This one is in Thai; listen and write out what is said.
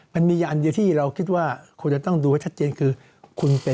มันมีอย่างเดียวที่เราคิดว่าควรจะต้องดูให้ชัดเจนคือ